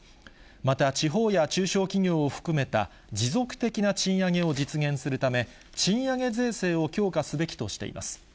また、地方や中小企業を含めた持続的な賃上げを実現するため、賃上げ税制を強化すべきとしています。